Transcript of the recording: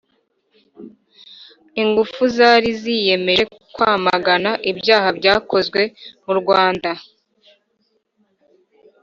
ingufu zari ziyemeje kwamagana ibyaha byakozwe mu Rwanda